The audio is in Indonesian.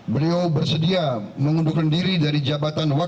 beliau bersedia mengundurkan diri dari negara negara yang terbaik